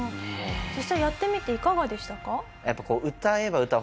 実際やってみていかがでしたか？